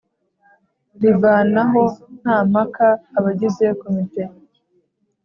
rivanaho nta mpaka abagize Komite